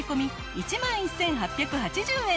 １万１８８０円！